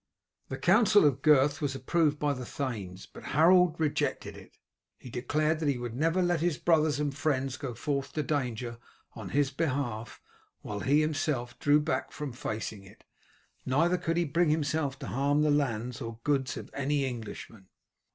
The counsel of Gurth was approved of by the thanes, but Harold rejected it. He declared that he would never let his brothers and friends go forth to danger on his behalf while he himself drew back from facing it, neither could he bring himself to harm the lands or the goods of any Englishman.